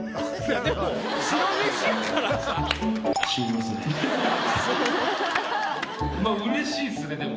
まあうれしいっすねでも。